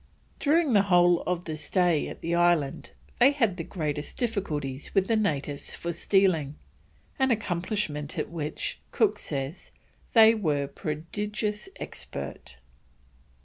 During the whole of the stay at the island they had the greatest difficulties with the natives for stealing, an accomplishment at which, Cook says, they were "prodigious expert."